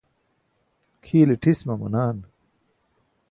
kʰiile ṭhis mamanaan